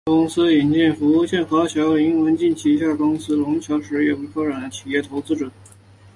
公司引入福建华侨林文镜旗下公司融侨实业发展为企业投资者。